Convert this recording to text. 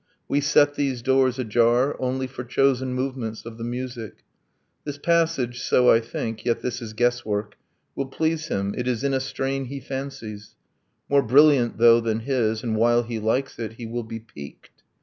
... We set these doors ajar Only for chosen movements of the music: This passage, (so I think yet this is guesswork) Will please him, it is in a strain he fancies, More brilliant, though, than his; and while he likes it He will be piqued